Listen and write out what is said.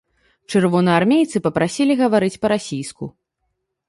Чырвонаармейцы папрасілі гаварыць па-расійску.